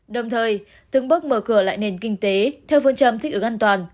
đồng thời từng bước mở cửa lại nền kinh tế theo phương trầm thích ứng an toàn